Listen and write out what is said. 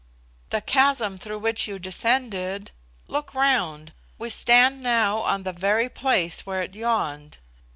"The chasm through which you descended! Look round; we stand now on the very place where it yawned.